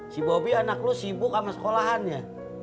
si bobi anak lu sibuk sama sekolahannya